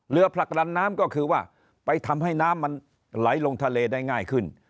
ผลักดันน้ำก็คือว่าไปทำให้น้ำมันไหลลงทะเลได้ง่ายขึ้น